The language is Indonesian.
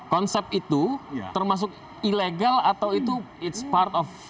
konsep itu termasuk ilegal atau itu part of